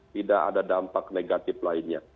tidak ada dampak negatif lainnya